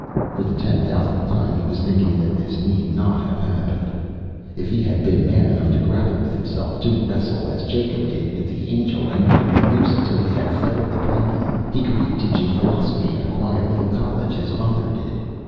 For the ten thousandth time he was thinking that this need not have happened. If he had been man enough to grapple with himself, to wrestle as Jacob did with the angel and not let loose until he had felled the problem, he could be teaching philosophy in a quiet little college, as his father did.